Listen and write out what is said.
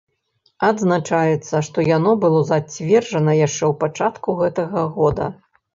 Адзначаецца, што яно было зацверджана яшчэ ў пачатку гэтага года.